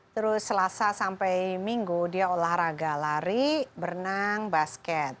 terus selasa sampai minggu dia olahraga lari berenang basket